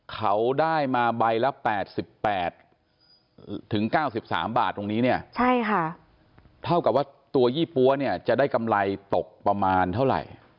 เขาได้มาใบละ๘๘๙๓บาทตรงนี้เนี่ยใช่ค่ะเท่ากับว่าตัวยี่ปั๊วเนี่ยจะได้กำไรตกประมาณเท่าไหร่